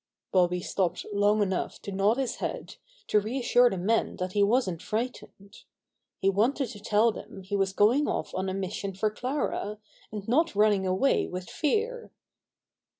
Bobby stopped long enough to nod his head to reassure the men that he wasn't frightened. He wanted to tell them he was going off on a mission for Clara, and not running away with fear.